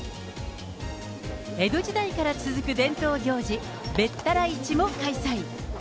江戸時代から続く伝統行事、べったら市も開催。